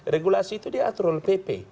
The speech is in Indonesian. regulasi itu diatur oleh pp